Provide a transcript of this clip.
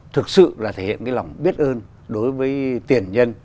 thực sự là thể hiện cái lòng biết ơn đối với tiền nhân